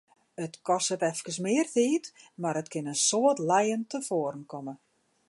It kostet efkes mear tiid, mar it kin in soad lijen tefoaren komme.